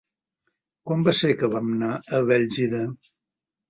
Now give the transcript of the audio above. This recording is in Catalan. Quan va ser que vam anar a Bèlgida?